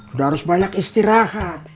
udah harus banyak istirahat